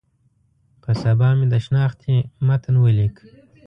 په سبا مې د شنختې متن ولیک.